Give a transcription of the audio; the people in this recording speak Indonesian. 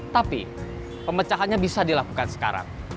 tapi pemecahannya bisa dilakukan sekarang